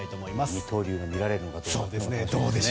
二刀流が見られるのかどうかですね。